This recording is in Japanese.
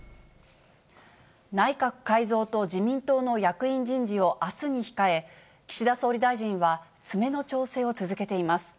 内閣改造と自民党の役員人事をあすに控え、岸田総理大臣は、詰めの調整を続けています。